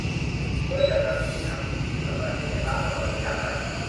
โดยจัดสรรที่ดินทำกินที่อยู่อาศัยให้แก่ราษฎรที่ยากไร้